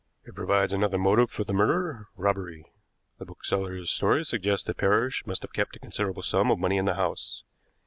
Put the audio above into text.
"It provides another motive for the murder robbery. The bookseller's story suggests that Parrish must have kept a considerable sum of money in the house.